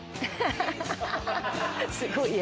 すごい絵。